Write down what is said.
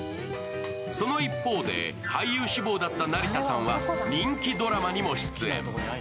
その一方で、俳優志望だった成田さんは人気ドラマにも出演。